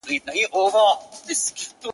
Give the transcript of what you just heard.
هغه ښايسته بنگړى په وينو ســـور دى_